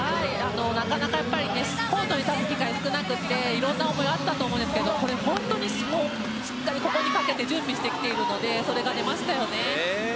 なかなかコートに立つ機会が少なくていろいろな思いがあったと思うんですけど本当にぴったり、ここにかけて準備してきているのでそれが出ましたよね。